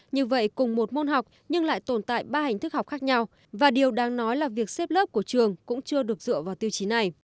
như vậy cùng một môn học nhưng lại tồn tại ba hình thức học khác nhau và điều đáng nói là việc xếp lớp của trường cũng chưa được dựa vào tiêu chí này